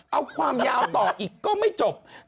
เอาความยาวต่ออีกก็ไม่จบ